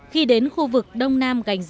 khi đến khu vực đông nam gành dầu